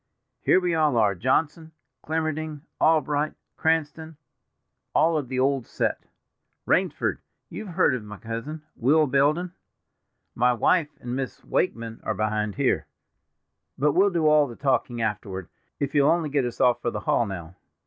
Here we all are, Johnson, Clemmerding, Albright, Cranston—all of the old set. Rainsford, you've heard of my cousin, Will Belden. My wife and Miss Wakeman are behind here; but we'll do all the talking afterward, if you'll only get us off for the hall now."